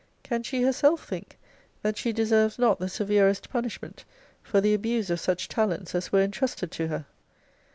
Can she herself think that she deserves not the severest punishment for the abuse of such talents as were intrusted to her?